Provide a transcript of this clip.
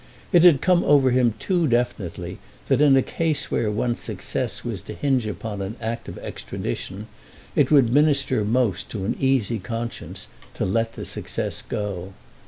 It had come over him too definitely that in a case where one's success was to hinge upon an act of extradition it would minister most to an easy conscience to let the success go.